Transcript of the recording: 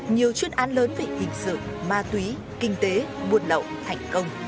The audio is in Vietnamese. nhiều chuyến án lớn về hình sự ma túy kinh tế buồn lậu thành công